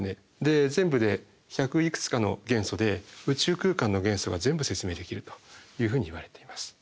全部で百いくつかの元素で宇宙空間の元素が全部説明できるというふうにいわれています。